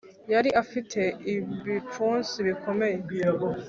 yari afite ibipfunsi bikomeye,